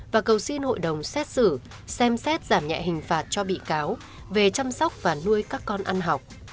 và cầu xin hội đồng xét xử xem xét giảm nhẹ hình phạt cho bị cáo về chăm sóc và nuôi các con ăn học